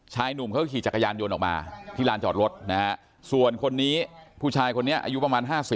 ชายหนุ่มเขาก็ขี่จักรยานยนต์ออกมาที่ลานจอดรถนะฮะส่วนคนนี้ผู้ชายคนนี้อายุประมาณ๕๐